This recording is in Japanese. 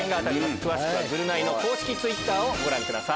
詳しくはぐるナイの公式ツイッターをご覧ください。